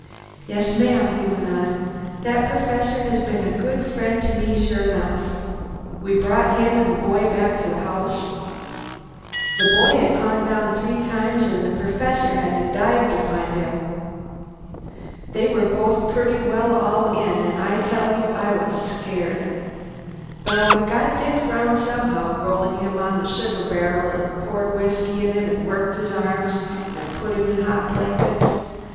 "Yes, ma'am," he went on, "that Perfessor has been a good friend to me, sure enough. We brought him an' the boy back to the house. The boy had gone down three times an' the Perfessor had to dive to find him. They were both purty well all in, an' I tell you I was scared. But we got Dick around somehow rolled him on a sugar bar'l, an' poured whiskey in him, an' worked his arms, an' put him in hot blankets.